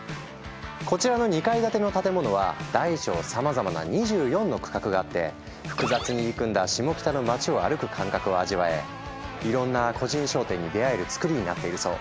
こちらの２階建ての建物は大小さまざまな２４の区画があって複雑に入り組んだシモキタの街を歩く感覚を味わえいろんな個人商店に出会えるつくりになっているそう。